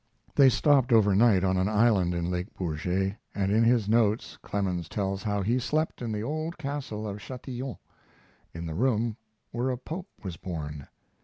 They stopped overnight on an island in Lake Bourget, and in his notes Clemens tells how he slept in the old castle of Chatillon, in the room where a pope was born.